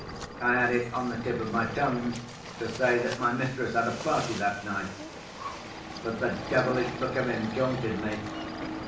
I had it on the tip of my tongue to say that my mistress had a party that night. But the devilish look of him daunted me.